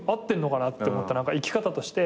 生き方として。